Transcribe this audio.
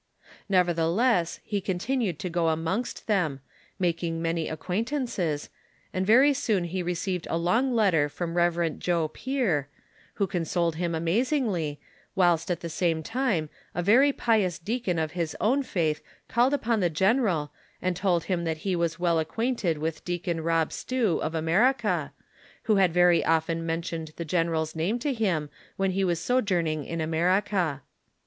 Nevertheless, he continued to go amongst them, making THE CONSPIRATORS AND LOVERS. 77 many acquaintances, and very soon he received a long let ter from Rev. Joe Pier, which consoled him amazingly, whilst at the same time a very pious deacon of his own faith called upon the general and told him that he was well acquainted with Deacon Rob Stew, of America, who had very often mentioned the general's name to him when he was sojourning in America.